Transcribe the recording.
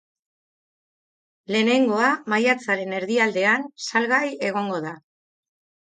Lehenengoa maiatzaren erdialdean salgai egongo da.